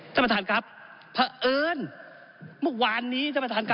ท่านประธานครับเผอิญเมื่อกวันนี้